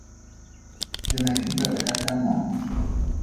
Ke ne ke bereka ka natla.